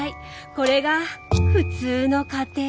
これが普通の家庭。